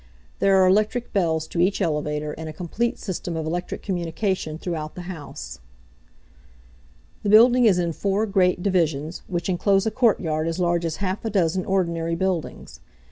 There are electric bells to each elevator, and a complete system of electric communication throughout the house. The building is in four great divisions, which inclose a courtyard as large as half a dozen ordinary buildings.